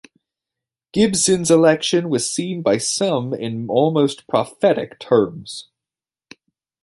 Gibson's election was seen by some in almost prophetic terms.